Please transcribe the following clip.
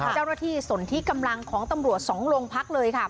เจ้าหน้าที่สนทิกำลังของตำรวจ๒โรงพักเลยค่ะ